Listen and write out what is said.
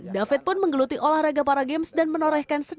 david pun menggeluti olahraga para games dan menorehkan sejarah